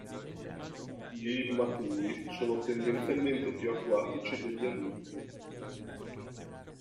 Gli immaturi sono tendenzialmente più acquatici degli adulti.